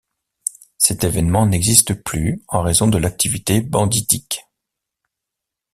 Cet événement n'existe plus en raison de l'activité banditique.